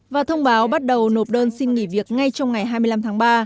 và thông báo bắt đầu nộp đơn xin nghỉ việc ngay trong ngày hai mươi năm tháng ba